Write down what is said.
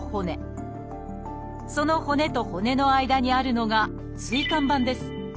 その骨と骨の間にあるのが椎間板です。